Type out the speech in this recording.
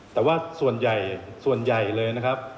แต่ว่าส่วนใหญ่ส่วนใหญ่เลยนะครับ